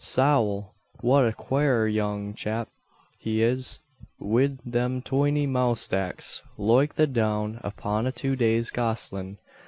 Sowl! what a quare young chap he is, wid them toiny mowstacks loike the down upon a two days' goslin'!